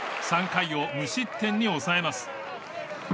３回を無失点に抑えます。